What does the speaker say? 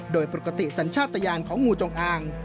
โดยปกติสัญชาติยานของงูจงอาง